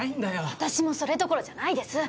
私もそれどころじゃないです。